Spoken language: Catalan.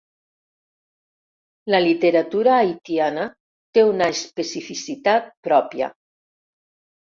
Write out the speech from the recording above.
La literatura haitiana té una especificitat pròpia.